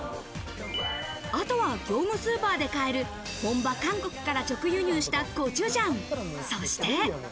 あとは業務スーパーで買える本場韓国から直輸入したコチュジャン、そして。